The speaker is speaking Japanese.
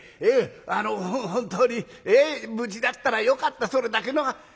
あの本当に無事だったらよかったそれだけの。